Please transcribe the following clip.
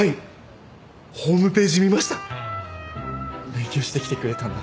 勉強してきてくれたんだ。